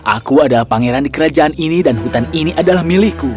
aku adalah pangeran di kerajaan ini dan hutan ini adalah milikku